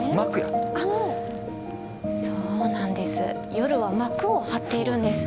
夜は膜を張っているんです。